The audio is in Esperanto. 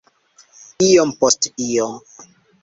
Iom post iom.